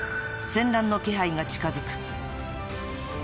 ［戦乱の気配が近づく］